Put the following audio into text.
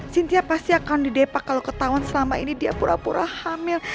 sintia pasti akan didepak kalau ketahuan selama ini dia pura pura hamil